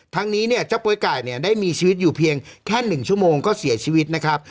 ทั้งนี้เนี่ยเจ้าโป๊ยไก่เนี่ยได้มีชีวิตอยู่เพียงแค่๑ชั่วโมงก็เสียชีวิตนะครับ